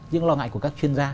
những lo ngại của các chuyên gia